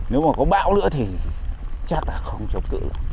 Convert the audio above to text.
nếu mà có bão nữa thì chắc là không chống tự